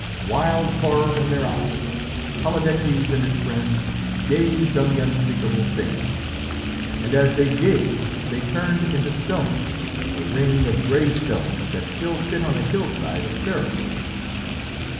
Wild horror in their eyes, Polydectes and his friends gazed on the unspeakable thing, and as they gazed they turned into stone a ring of grey stones that still sit on a hillside of Seriphos.